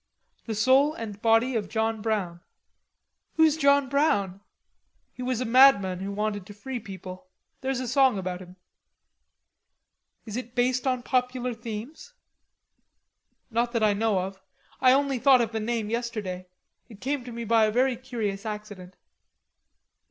"The Soul and Body of John Brown." "Who's John Brown?" "He was a madman who wanted to free people. There's a song about him." "It is based on popular themes?" "Not that I know of.... I only thought of the name yesterday. It came to me by a very curious accident."